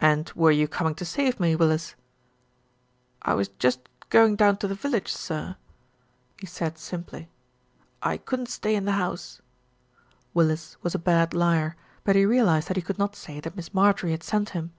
"And were you coming to save me, Willis?" "I was just going down to the village, sir," he said 312 THE RETURN OF ALFRED simply. "I couldn't stay in the house." Willis was a bad liar; but he realised that he could not say that Miss Marjorie had sent him.